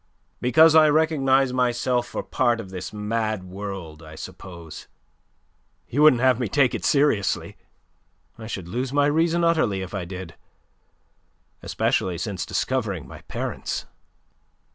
"Because I recognize myself for part of this mad world, I suppose. You wouldn't have me take it seriously? I should lose my reason utterly if I did; especially since discovering my parents."